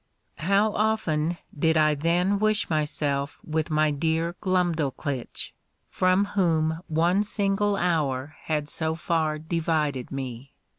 How often did I then wish myself with my dear Glumdalclitch, from whom one single hour had so far divided me!